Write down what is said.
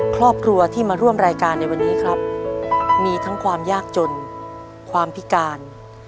ครอบครัวที่มาร่วมรายการในวันนี้ครับมีทั้งความยากจนความพิการ